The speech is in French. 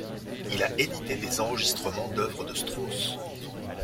Il a édité des enregistrements d'œuvres de Strauss.